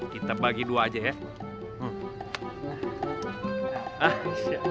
kita bagi dua aja ya